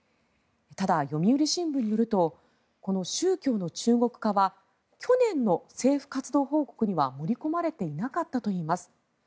ただ、読売新聞によると宗教の中国化は去年の政府活動報告には盛り込まれていなかったといいます。